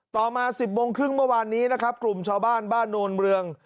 ต่อมา๑๐โมงครึ่งเมื่อวานนี้นะครับกลุ่มชาวบ้านบ้านโนนเรือง